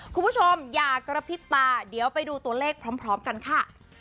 คุณผู้ชมอย่ากระพริบตาเดี๋ยวไปดูตัวเลขพร้อมกันค่ะ